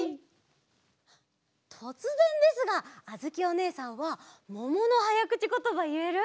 とつぜんですがあづきおねえさんはもものはやくちことばいえる？